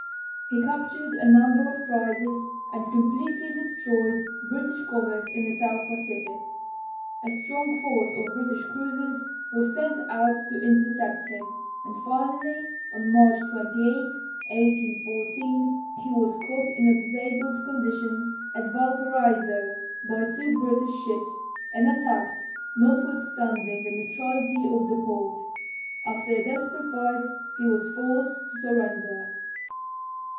He captured a number of prizes, and completely destroyed British commerce in the south Pacific. A strong force of British cruisers was sent out to intercept him, and finally, on March 28, 1814, he was caught in a disabled condition at Valparaiso by two British ships, and attacked, notwithstanding the neutrality of the port. After a desperate fight, he was forced to surrender.